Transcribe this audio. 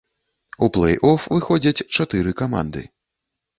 У плэй-оф выходзяць чатыры каманды.